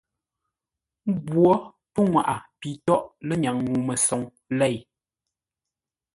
Nghwó pənŋwaʼa pi tóghʼ lə́nyaŋ ŋuu məsoŋ lěi,